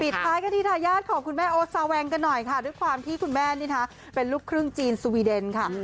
ท้ายกันที่ทายาทของคุณแม่โอ๊ตซาแวงกันหน่อยค่ะด้วยความที่คุณแม่นี่นะเป็นลูกครึ่งจีนสวีเดนค่ะ